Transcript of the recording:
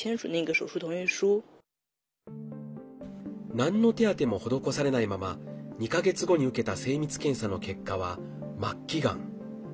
なんの手当ても施されないまま２か月後に受けた精密検査の結果は末期がん。